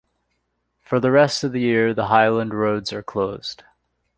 For the rest of the year the highland roads are closed.